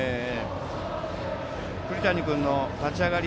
栗谷君の立ち上がり